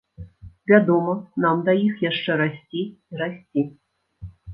Вядома, нам да іх яшчэ расці і расці.